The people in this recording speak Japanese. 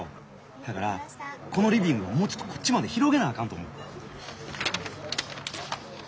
せやからこのリビングをもうちょっとこっちまで広げなあかんと思う。